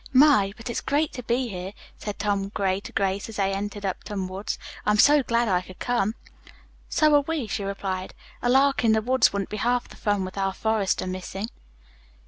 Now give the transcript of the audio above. "My, but it's great to be here," said Tom Gray to Grace as they entered Upton Wood. "I'm so glad I could come." "So are we," she replied. "A lark in the woods wouldn't be half the fun with our forester missing."